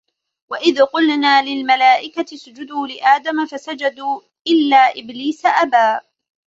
وَإِذْ قُلْنَا لِلْمَلَائِكَةِ اسْجُدُوا لِآدَمَ فَسَجَدُوا إِلَّا إِبْلِيسَ أَبَى